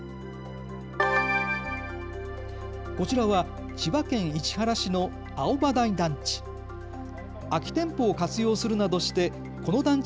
こちらは千葉県市原市の青葉台団地。